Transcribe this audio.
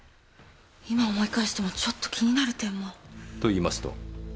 今思い返してもちょっと気になる点も。といいますと？